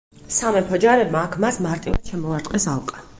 სამეფო ჯარებმა აქ მას მარტივად შემოარტყეს ალყა.